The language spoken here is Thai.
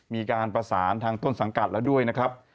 มีการประสานทางต้นสังกัดแล้วด้วยนะครับ